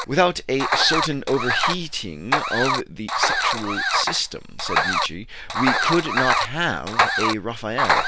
"Without a certain overheating of the sexual system," said Nietzsche, "we could not have a Raphael."